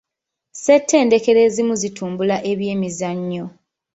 SSettendekero ezimu zitumbula ebyemizanyo.